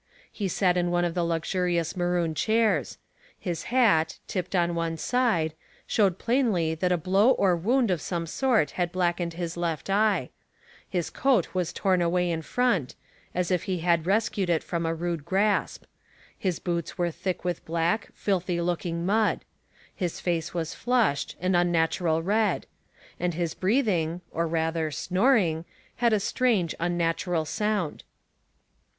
He sat in one of the luxurious maroou chairs ; his hat, tipped on one side, showed plain ly that a blow or wound of some sort had black ened his left eye ; his coat was torn away in front, as if he had rescued it from a rude grasp ; his •boots were thick with black, filthy looking mud ; his face was flushed, an unnatuial red ; and his breathing, or rather snoring, had a "strange, un natural sound.